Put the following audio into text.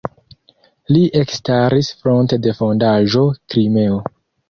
Li ekstaris fronte de Fondaĵo "Krimeo".